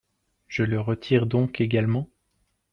Je le retire donc également.